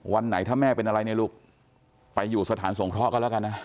วันไหนถ้าแม่เป็นอะไรเนี่ยลูกไปอยู่สถานสงเคราะห์กันแล้วกันนะ